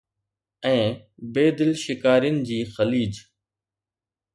۽ بي دل شڪارين جي خليج